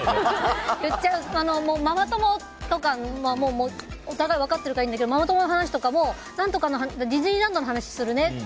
ママ友とかはお互いに分かってるからいいけどママ友の話とかもディズニーランドの話するね。